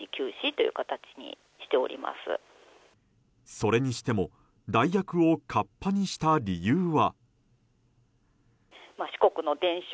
それにしても代役をかっぱにした理由は？